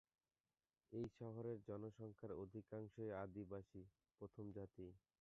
এই শহরের জনসংখ্যার অধিকাংশই আদিবাসী, প্রথম জাতি।